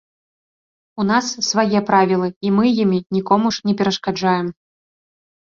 У нас свае правілы, і мы імі нікому ж не перашкаджаем!